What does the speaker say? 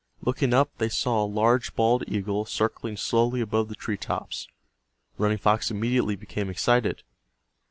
Looking up they saw a large bald eagle circling slowly above the tree tops. Running Fox immediately became excited.